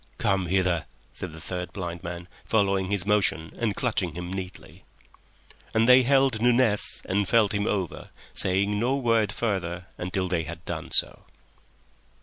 "Come hither," said the third blind man, following his motion and clutching him neatly. And they held Nunez and felt him over, saying no word further until they had done so.